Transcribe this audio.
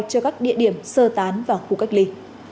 cho các địa điểm sơ tán vào khu cách ly